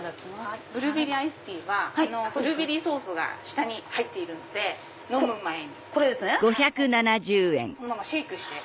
ブルーベリーアイスティーはブルーベリーソースが下に入っているので飲む前にそのままシェークして。